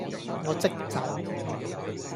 我即走